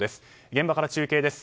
現場から中継です。